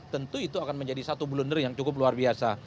tentu itu akan menjadi satu blunder yang cukup luar biasa